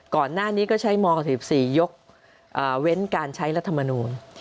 ก่อนหน้านี้ก็ใช้ม๖๔๔ยกเว้นการใช้รัฐมนูล